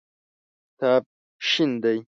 کتاب شین دی.